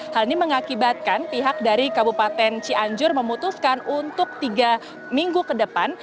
hal ini mengakibatkan pihak dari kabupaten cianjur memutuskan untuk tiga minggu ke depan